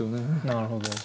なるほど。